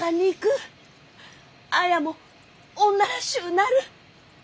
綾も女らしゅうなる！